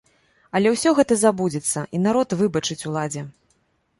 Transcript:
Але ўсё гэта забудзецца і народ выбачыць уладзе.